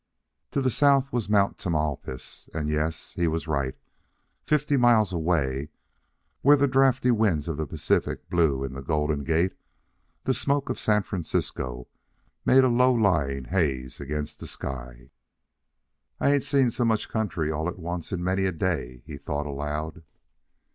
To the south was Mount Tamalpais, and, yes, he was right, fifty miles away, where the draughty winds of the Pacific blew in the Golden Gate, the smoke of San Francisco made a low lying haze against the sky. "I ain't seen so much country all at once in many a day," he thought aloud.